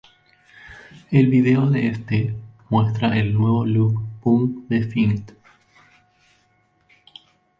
El video de este, muestra el nuevo "look" punk de Flint.